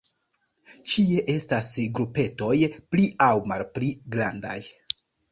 Ĉie estas grupetoj pli aŭ malpli grandaj.